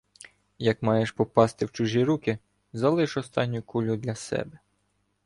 Як маєш попасти в чужі руки, залиш останню кулю для себе.